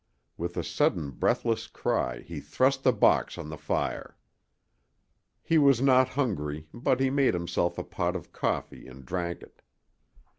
With a sudden breathless cry he thrust the box on the fire. He was not hungry, but he made himself a pot of coffee and drank it.